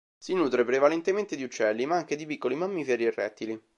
Si nutre prevalentemente di uccelli ma anche di piccoli mammiferi e rettili.